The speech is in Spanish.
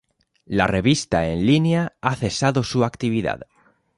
La revista en línea ha cesado su actividad.